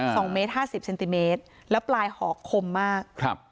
สองเมตรห้าสิบเซนติเมตรแล้วปลายหอกคมมากครับ